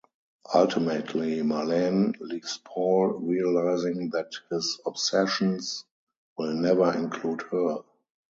Ultimately, Marlene leaves Paul, realizing that his obsessions will never include her.